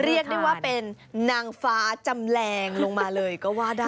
เรียกได้ว่าเป็นนางฟ้าจำแรงลงมาเลยก็ว่าได้